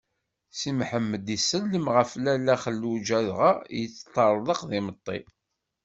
Si Mḥemmed isellem ɣef Lalla Xelluǧa dɣa yeṭṭerḍeq d imeṭṭi.